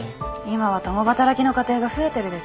今は共働きの家庭が増えてるでしょ。